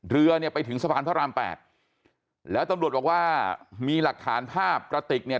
เรือเนี่ยไปถึงสะพานพระรามแปดแล้วตำรวจบอกว่ามีหลักฐานภาพกระติกเนี่ย